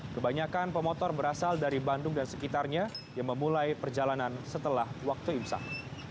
kebanyakan pemotor berasal dari bandung dan sekitarnya yang memulai perjalanan setelah waktu imsam